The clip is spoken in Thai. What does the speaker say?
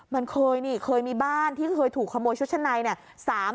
มันเคยนี่เคยมีบ้านที่เคยถูกขโมยชุดชั้นในเนี่ย